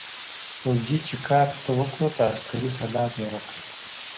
فوجي چې کارت ته وکوت عسکري سلام يې وکړ.